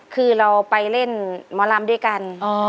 คือเราไปเล่นหมอลำด้วยกัน